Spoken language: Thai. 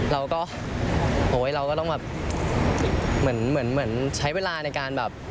เราก็โอ๊ยเราก็ต้องแบบเหมือนใช้เวลาในการแบบ